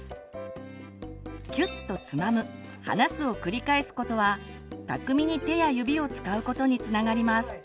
キュッとつまむ離すを繰り返すことは巧みに手や指を使うことにつながります。